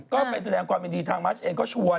ก็ไปแสดงความยินดีทางมัชเองก็ชวน